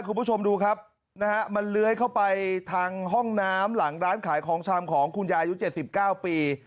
คุณผู้ชมดูครับนะฮะมันเลื้อยเข้าไปทางห้องน้ำหลังร้านขายของชำของคุณยายุ๗๙ปี